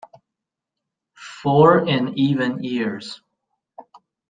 Four in even years.